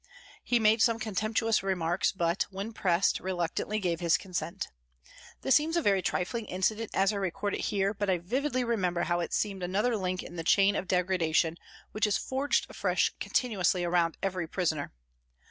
He made some contemptuous remarks, but, when pressed, reluctantly gave his consent. This seems a very trifling incident as I record it here, but I vividly remember how it seemed another link in the chain of degradation which is forged afresh continuously around every prisoner.